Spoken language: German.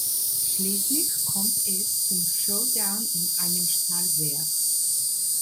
Schließlich kommt es zum Showdown in einem Stahlwerk.